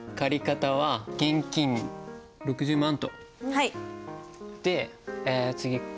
はい。